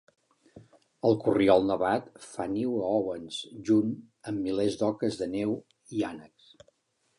El corriol nevat fa niu a Owens junt amb milers d'oques de neu i ànecs.